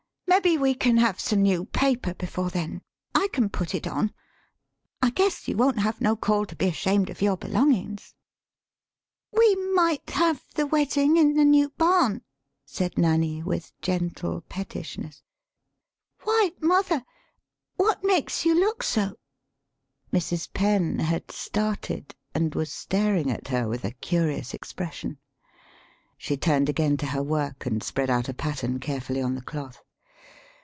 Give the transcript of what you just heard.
" Mebbe we can have some new paper before then; I can put it on. I guess you won't have no call to be ashamed of your belongin's." "We might have the wedding in the new barn," [said Nanny, with gentle pettishness]. "Why, mother, what makes you look so?" Mrs. Penn had started, and was staring at 166 THE SHORT STORY her with a curious expression. [She turned again to her work and spread out a pattern carefully on the cloth.